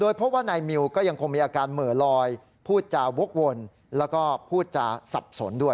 สวัสดีครับ